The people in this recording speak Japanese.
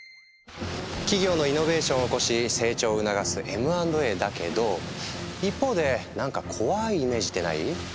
企業のイノベーションを起こし成長を促すＭ＆Ａだけど一方で何か怖いイメージってない？